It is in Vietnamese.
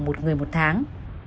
một người một tháng